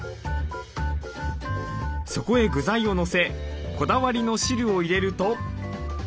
そこへ具材をのせこだわりの汁を入れると。